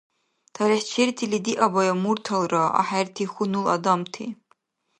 ТалихӀчертили диабая мурталра, ахӀерти хьунул адамти!